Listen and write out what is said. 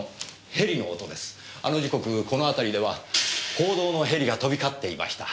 あの時刻この辺りでは報道のヘリが飛び交っていました。